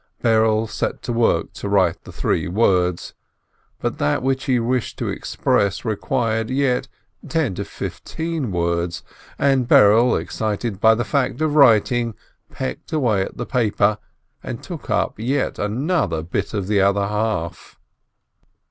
Berele set to work to write the three words; but that which he wished to express required yet ten to fifteen words, and Berele, excited by the fact of writing, pecked away at the paper, and took up yet another bit of the other half.